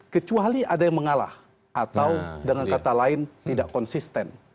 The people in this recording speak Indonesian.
kecuali ada yang mengalah atau dengan kata lain tidak konsisten